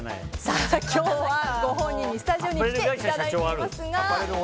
今日はご本人にスタジオに来ていただいています。